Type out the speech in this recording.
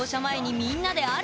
みんなでやる？